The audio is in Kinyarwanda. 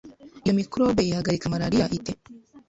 Iyo microbe ihagarika malaria ite?